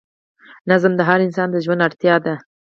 نظم د هر انسان د ژوند اړتیا ده.